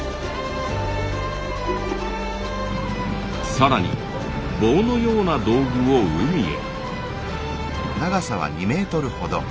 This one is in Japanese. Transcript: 更に棒のような道具を海へ。